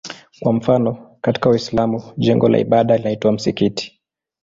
Kwa mfano katika Uislamu jengo la ibada linaitwa msikiti.